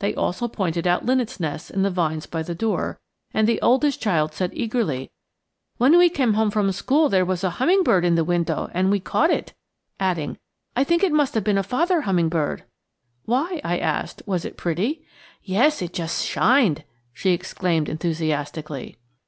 They also pointed out linnets' nests in the vines by the door, and the oldest child said eagerly, "When we came home from school there was a hummingbird in the window, and we caught it," adding, "I think it must have been a father hummingbird." "Why?" I asked, "was it pretty?" "Yes, it just shined," she exclaimed enthusiastically.